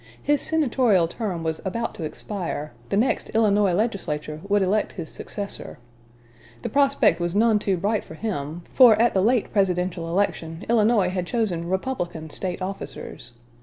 His senatorial term was about to expire; the next Illinois legislature would elect his successor. The prospect was none too bright for him, for at the late presidential election Illinois had chosen Republican State officers.